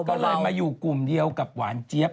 ก็เลยมาอยู่กลุ่มเดียวกับหวานเจี๊ยบ